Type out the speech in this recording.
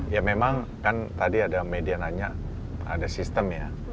ya memang kan tadi ada media nanya ada sistem ya